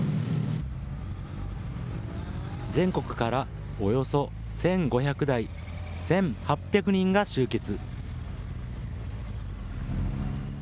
全国からおよそ１５００台、１８００人が集結。